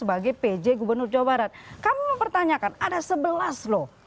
agar presiden jangan sampai di jebak